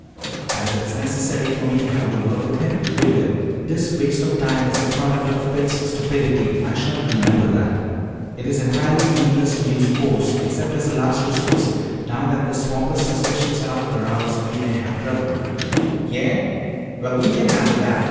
"As it is necessary for me to have a word with him, we will. This waste of time is the product of Pitts' stupidity. I shall remember that. It is entirely needless to use force except as a last resource. Now that this swamper's suspicions are aroused, we may have trouble." "Yeah? Well, we can handle that.